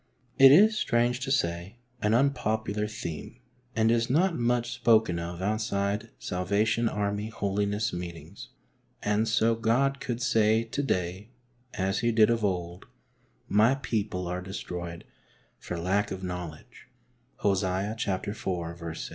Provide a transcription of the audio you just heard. It is, strange to say, an unpopular theme and is not much spoken of out side Salvation Army Holiness Meetings, and so God could say to day, as He did of old, " My people are destroyed for lack of knowledge " {Hos, iv. 6).